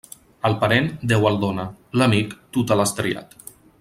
El parent, Déu el dóna; l'amic, tu te l'has triat.